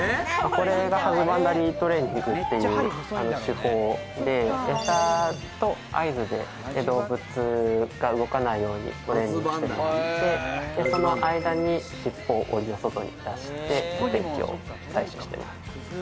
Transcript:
これがハズバンダリートレーニングって言って、採取法でえさと合図で動物が動かないようにトレーニングして、その間に尻尾を檻の外に出して採取してます。